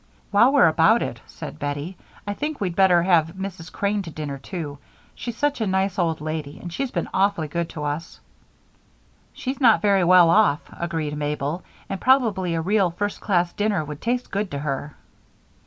"While we're about it," said Bettie, "I think we'd better have Mrs. Crane to dinner, too. She's such a nice old lady and she's been awfully good to us." "She's not very well off," agreed Mabel, "and probably a real, first class dinner would taste good to her."